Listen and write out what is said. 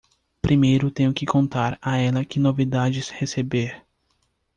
Primeiro tenho que contar a ela que novidades receber!